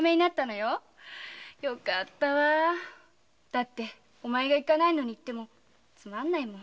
だってお前が行かないのに行ってもつまんないもの。